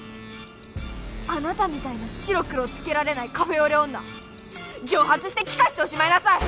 あなたみたいな白黒つけられないカフェオレ女蒸発して気化しておしまいなさい！